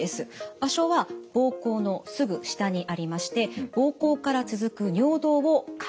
場所は膀胱のすぐ下にありまして膀胱から続く尿道を囲んでいます。